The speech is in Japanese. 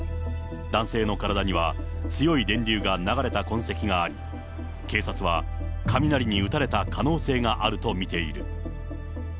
男性の体には、強い電流が流れた痕跡があり、警察は雷に打たれた可能性があると見ている。